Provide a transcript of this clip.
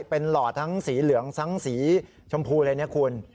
เป็นหลอดทั้งสีเหลืองทั้งสีชมพูอะไรเนี่ยคุณ